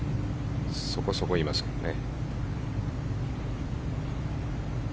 そこそこいますからね。